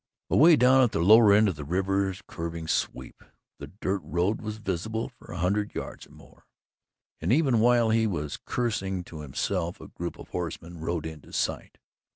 Away down at the lower end of the river's curving sweep, the dirt road was visible for a hundred yards or more, and even while he was cursing to himself, a group of horsemen rode into sight.